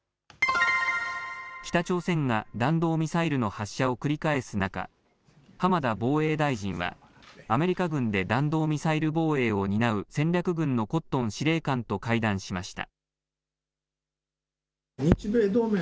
北朝鮮が弾道ミサイルの発射を繰り返す中、浜田防衛大臣は、アメリカ軍で弾道ミサイル防衛を担う戦略軍のコットン司令官と会談しました。